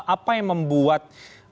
apa yang membuat